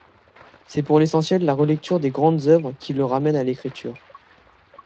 C'est pour l'essentiel la relecture des grandes œuvres qui le ramène à l'écriture.